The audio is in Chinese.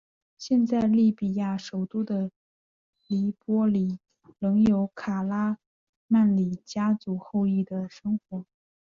现在利比亚首都的黎波里仍有卡拉曼里家族后裔生活。